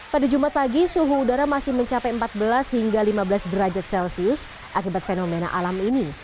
pada jumat pagi suhu udara masih mencapai empat belas hingga lima belas derajat celcius akibat fenomena alam ini